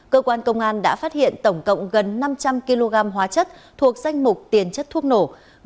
cơ quan công an đã phát hiện tổng cộng gần năm trăm linh kg hóa chất thuộc danh mục tiền chất thuốc nổ